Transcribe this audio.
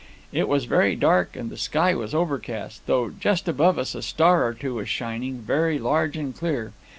It was very dark, and the sky was overcast, though just above us a star or two was shining, very large and clear.